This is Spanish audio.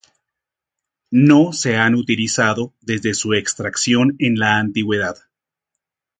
No se han utilizado desde su extracción en la antigüedad.